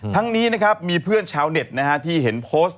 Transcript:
ทั้งนี้นะครับมีเพื่อนชาวเน็ตนะฮะที่เห็นโพสต์